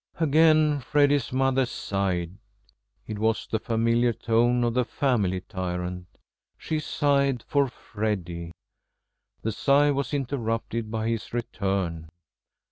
Again Freddy's mother sighed. It was the familiar tone of the family tyrant. She sighed for Freddy. The sigh was interrupted by his return.